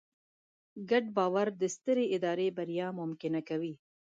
ګډ باور د سترې ادارې بریا ممکنه کوي.